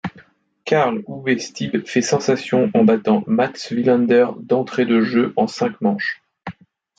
Carl-Uwe Steeb fait sensation en battant Mats Wilander d'entrée de jeu en cinq manches.